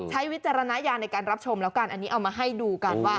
วิจารณญาณในการรับชมแล้วกันอันนี้เอามาให้ดูกันว่า